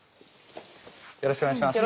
よろしくお願いします。